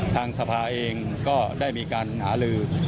ทางสภาเองก็ได้มีการหาลือ